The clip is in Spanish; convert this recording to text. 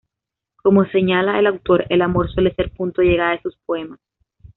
Como señala el autor, el amor suele ser punto de llegada de sus poemas.